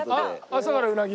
朝からうなぎ？